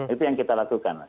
itu yang kita lakukan